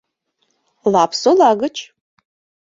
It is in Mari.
Лапсола гыч.